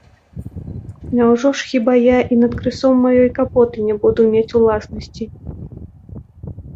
Няўжо ж хіба я і над крысом маёй капоты не буду мець уласнасці?